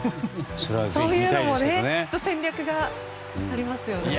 そういうのもきっと戦略がありますよね。